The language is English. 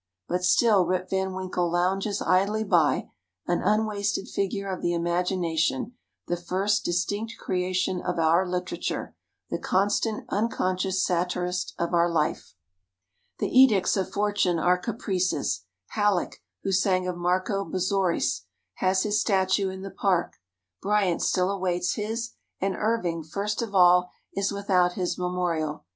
But still Rip Van Winkle lounges idly by, an unwasted figure of the imagination, the first distinct creation of our literature, the constant, unconscious satirist of our life. The edicts of Fortune are caprices. Halleck, who sang of Marco Bozzaris, has his statue in the Park. Bryant still awaits his, and Irving, first of all, is without his memorial.